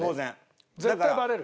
絶対バレる。